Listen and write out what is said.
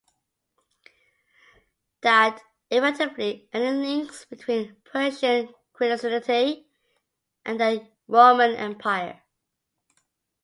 That effectively ended links between Persian Christianity and the Roman Empire.